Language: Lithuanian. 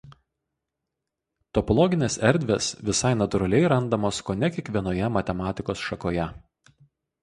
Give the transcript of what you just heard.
Topologinės erdvės visai natūraliai randamos kone kiekvienoje matematikos šakoje.